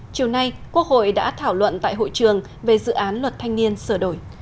chiều nay quốc hội đã thảo luận tại hội trường về dự án luật thanh niên sửa đổi